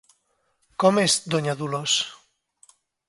Com és Donya Dolors?